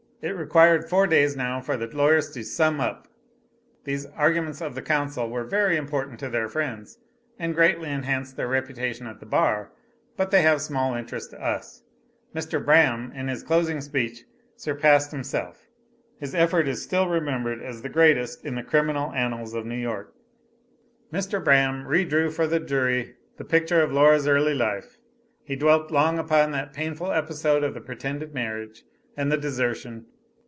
It required four days now for the lawyers to "sum up." These arguments of the counsel were very important to their friends, and greatly enhanced their reputation at the bar but they have small interest to us. Mr. Braham in his closing speech surpassed himself; his effort is still remembered as the greatest in the criminal annals of New York. Mr. Braham re drew for the jury the picture of Laura's early life; he dwelt long upon that painful episode of the pretended marriage and the desertion.